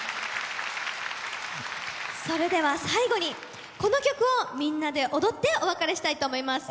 それでは最後にこの曲をみんなで踊ってお別れしたいと思います。